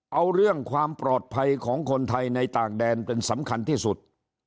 เอาเรื่องความปลอดภัยของคนไทยในต่างแดนเป็นสำคัญที่สุด